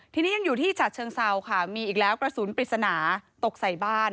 ทีนี้ยังอยู่ที่ฉัดเชิงเซาค่ะมีอีกแล้วกระสุนปริศนาตกใส่บ้าน